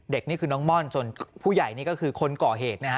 นี่คือน้องม่อนส่วนผู้ใหญ่นี่ก็คือคนก่อเหตุนะฮะ